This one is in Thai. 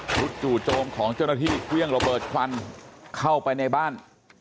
จู่โจมของเจ้าหน้าที่เครื่องระเบิดควันเข้าไปในบ้าน